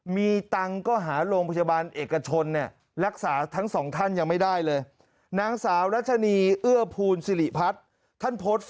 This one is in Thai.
มีตังค์ก็หาโรงพยาบาลเอกชนรักษาทั้งสองท่านยังไม่ได้เลย